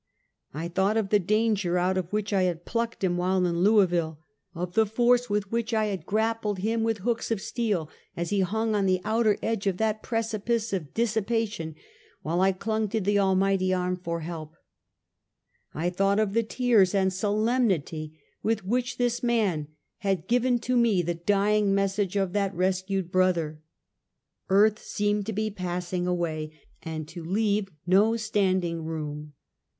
I thought of the danger out of which I had plucked him while in Louisville, of the force 84 Half a Centuky. with which I had grappled him with hooks of steel, as he hung on the outer edge of that precipice of dis sipation, while I clung to the Almighty Arm for help. I thought of the tears and solemnity with which this man had given to me the dying message of that res cued brother. Earth seemed to be passing away, and to leave no standing room.